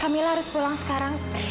kamila harus pulang sekarang